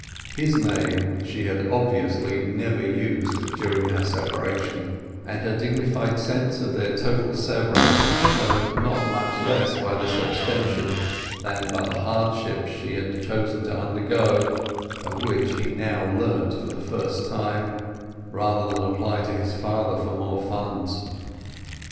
His name she had obviously never used during their separation, and her dignified sense of their total severance was shown not much less by this abstention than by the hardships she had chosen to undergo (of which he now learnt for the first time) rather than apply to his father for more funds.